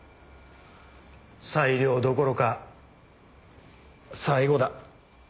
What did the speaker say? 最良どころか最後だ。